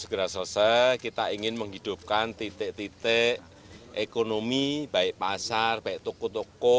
segera selesai kita ingin menghidupkan titik titik ekonomi baik pasar baik toko toko